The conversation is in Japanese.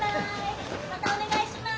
またお願いします。